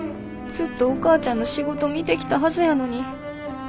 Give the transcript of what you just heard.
ずっとお母ちゃんの仕事見てきたはずやのに。